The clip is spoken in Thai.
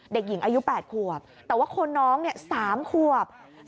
เด็กหญิงอายุ๘ขวบแต่ว่าคนน้อง๓ขวบ